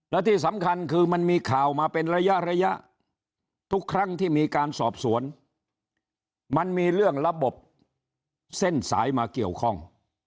และที่สำคัญคือมันมีข่าวมาเป็นระยะระยะทุกครั้งที่มีการสอบสวนมันมีเรื่องระบบเส้นสายมาเกี่ยวข้อง